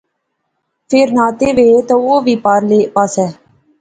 فیر ناطے وہے تہ او وی پارلے پاسے